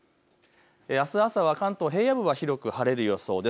あす朝は関東平野部は広く晴れる予想です。